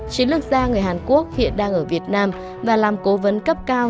chính lực gia người hàn quốc hiện đang ở việt nam và làm cố vấn cấp cao